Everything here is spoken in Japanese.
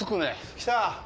来た。